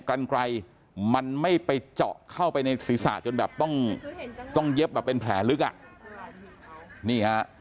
กันไกลมันไม่ไปเจาะเข้าไปในศีรษะจนแบบต้องต้องเย็บแบบเป็นแผลลึกอ่ะนี่ฮะ